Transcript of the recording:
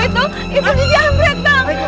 itu itu di jamret bang